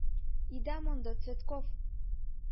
Ида мондо — Цветков!